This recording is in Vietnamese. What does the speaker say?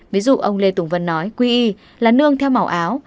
ví dụ ông lê tùng vân nói quy y là nương theo màu áo